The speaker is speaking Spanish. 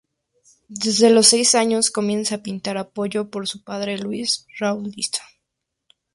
Desde los seis años comienza a pintar apoyado por su padre Luis Rawlinson.